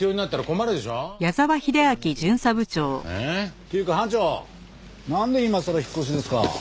っていうか班長なんで今さら引っ越しですか？